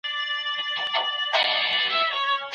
آیا د ميرمنو تر منځ رقابت شتون لري؟